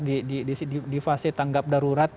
di fase tanggap darurat